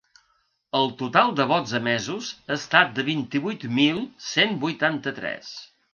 El total de vots emesos ha estat de vint-i-vuit mil cent vuitanta-tres .